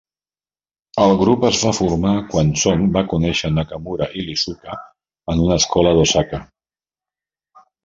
El grup es va formar quan Song va conèixer Nakamura i Iizuka en una escola d'Osaka.